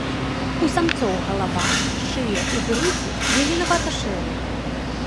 У самцоў галава, шыя і грудзі зеленавата-шэрыя.